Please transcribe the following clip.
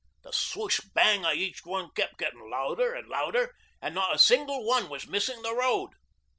The swoosh bang o' each one kep' gettin' louder an' louder, an' not a single one was missin' the road.